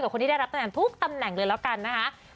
ต้องไปรับตำแหน่งทุกตำแหน่งหน่วยเรากัน